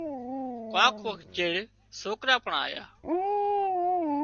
ڪانڪ وکت چيڙ سوڪرا پڻ آيا